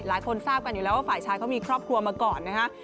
หลายคนทราบอยู่แล้วว่าฝ่ายชายเขามีครอบครัวมาก่อนนะครับ